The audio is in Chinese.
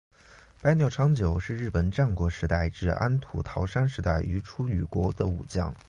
白鸟长久是日本战国时代至安土桃山时代于出羽国的武将。